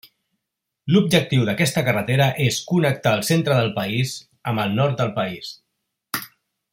L'objectiu d'aquesta carretera és connectar el centre del país amb el nord del país.